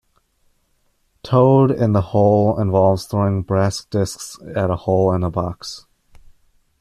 Toad in the hole involves throwing brass discs at a hole in a box.